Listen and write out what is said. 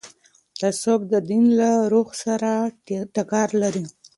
تعصب د دین له روح سره ټکر لري